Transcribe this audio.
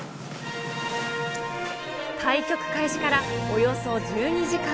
対局開始からおよそ１２時間。